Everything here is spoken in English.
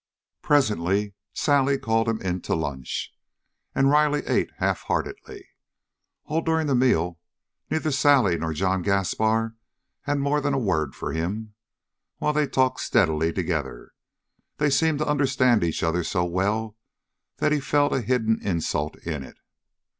Presently Sally called him in to lunch, and Riley ate halfheartedly. All during the meal neither Sally nor John Gaspar had more than a word for him, while they talked steadily together. They seemed to understand each other so well that he felt a hidden insult in it.